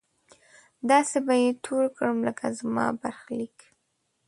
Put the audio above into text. داسې به يې تور کړم لکه زما برخليک